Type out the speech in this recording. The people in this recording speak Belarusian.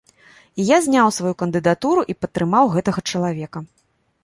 І я зняў сваю кандыдатуру і падтрымаў гэтага чалавека.